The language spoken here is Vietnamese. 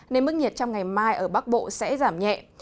nên mức nhiệt trong ngày mai ở bắc bộ sẽ giảm nhẹ